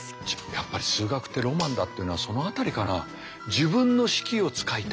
やっぱり数学ってロマンだっていうのはその辺りから自分の式を使いたい。